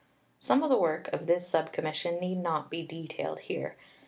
Some of the work of this Sub Commission need not be detailed here.